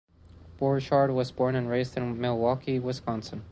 Borchardt was born and raised in Milwaukee, Wisconsin.